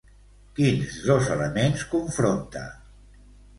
Quins dos elements confronta?